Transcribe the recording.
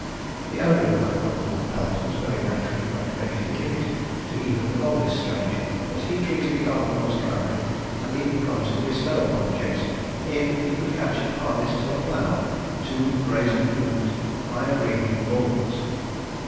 The owner of that wonderful pelt was very naturally not ready to give it to even the boldest stranger; but he treated the Argonauts kindly, and even promised to bestow upon Jason the coveted fleece if he could catch and harness to a plow two brazen hoofed, fire breathing bulls.